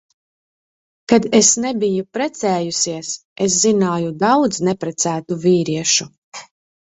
Kad es nebiju precējusies, es zināju daudz neprecētu vīriešu.